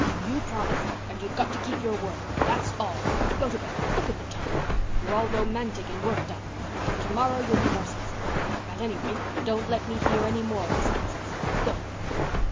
You promised and you've got to keep your word. That's all. Go to bed. Look at the time! You're all romantic and worked up. To morrow you'll be more sensible. At any rate, don't let me hear any more of this nonsense. Go."